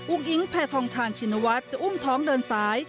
อิงแพทองทานชินวัฒน์จะอุ้มท้องเดินสาย